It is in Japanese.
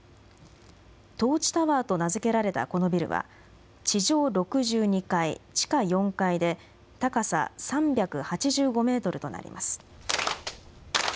トーチタワーと名付けられたこのビルは、地上６２階、地下４階で高さ３８５メートルとなります。